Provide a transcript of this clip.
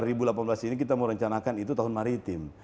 dua ribu delapan belas ini kita merencanakan itu tahun maritim